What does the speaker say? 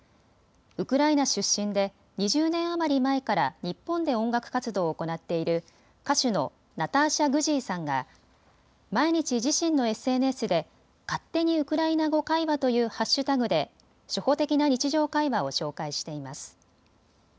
ウクライナ出身で２０年余り前から日本で音楽活動を行っている歌手のナターシャ・グジーさんが毎日、自身のＳＮＳで勝手にウクライナ語会話というハッシュタグで初歩的な日常会話を紹介しています。